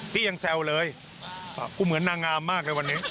พี่ยังแซวเลยกูเหมือนนางงามมากเลยวันนี้